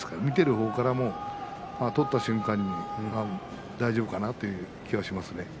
見ているほうからも取った瞬間に大丈夫かなという気がしますね。